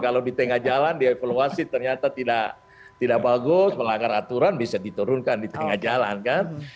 kalau di tengah jalan dievaluasi ternyata tidak bagus melanggar aturan bisa diturunkan di tengah jalan kan